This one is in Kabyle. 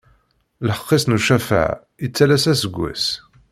Lḥeqq-is n ucafaɛ ittalas aseggas.